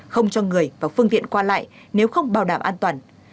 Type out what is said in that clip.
không cho người và phương tiện qua lại nếu không bảo đảm an toàn